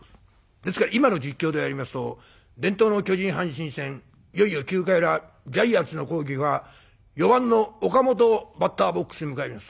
ですから今の実況でやりますと「伝統の巨人・阪神戦いよいよ９回裏ジャイアンツの攻撃は４番の岡本バッターボックスに向かいます。